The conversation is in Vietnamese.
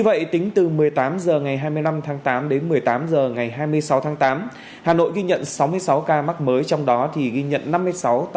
hãy đăng ký kênh để ủng hộ kênh của mình nhé